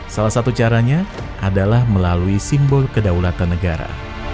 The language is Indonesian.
salah satu caranya adalah melalui simbol kedaulatan negara